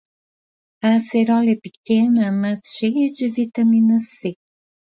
A acerola é pequena, mas cheia de vitamina C.